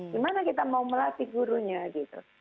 gimana kita mau melatih gurunya gitu